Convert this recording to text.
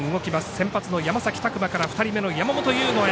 先発の山崎琢磨から２人目の山本由吾へ。